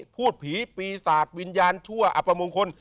พูดผีปีศาจวิญญาณชั่วอับประมงคล